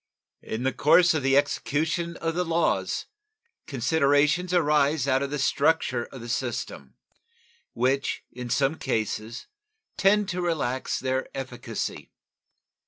In the course of the execution of the laws considerations arise out of the structure of the system which in some cases tend to relax their efficacy.